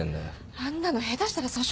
あんなの下手したら訴訟問題。